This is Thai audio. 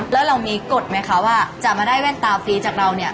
แล้วเรามีกฎไหมคะว่าจะมาได้แว่นตาฟรีจากเราเนี่ย